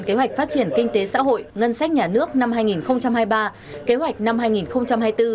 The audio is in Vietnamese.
kế hoạch phát triển kinh tế xã hội ngân sách nhà nước năm hai nghìn hai mươi ba kế hoạch năm hai nghìn hai mươi bốn